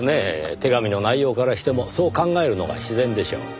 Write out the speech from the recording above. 手紙の内容からしてもそう考えるのが自然でしょう。